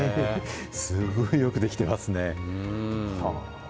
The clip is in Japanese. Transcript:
すごいよく出来てますね。